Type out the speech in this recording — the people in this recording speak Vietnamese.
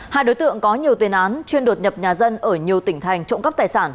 hai đối tượng có nhiều tiền án chuyên đột nhập nhà dân ở nhiều tỉnh thành trộm cắp tài sản